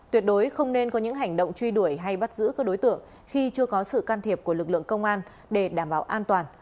tuyệt đối không nên có những hành động truy đuổi hay bắt giữ các đối tượng khi chưa có sự can thiệp của lực lượng công an để đảm bảo an toàn